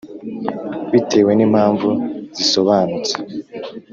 bitewe ni mpamvu zisobanutse